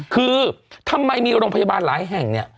คือทำไมมีโรงพยาบาลหลายแห่งเนี่ย